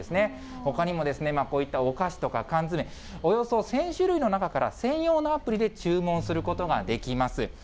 ほかにもこういったお菓子とか缶詰、およそ１０００種類の中から、専用のアプリで注文することができます。